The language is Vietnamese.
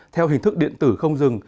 theo hình thức điện tử không dừng